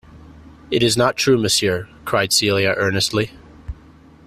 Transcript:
"It is not true, monsieur," cried Celia earnestly.